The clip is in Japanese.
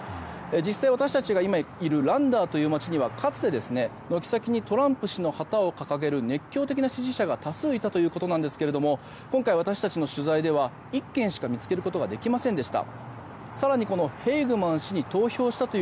実際に私たちが今いるランダーという町にはかつて、軒先にトランプ氏の旗を掲げる熱狂的な支持者が多数いたということなんですが今回私たちの取材では１軒しか見つけることができませんでした。